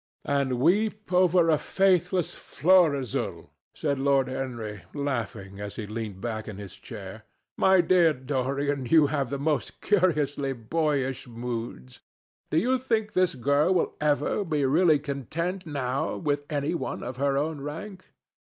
"And weep over a faithless Florizel," said Lord Henry, laughing, as he leaned back in his chair. "My dear Dorian, you have the most curiously boyish moods. Do you think this girl will ever be really content now with any one of her own rank?